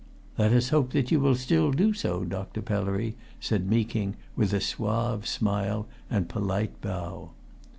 "Let us hope that you will still do so, Dr. Pellery," said Meeking, with a suave smile and polite bow.